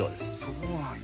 そうなんや。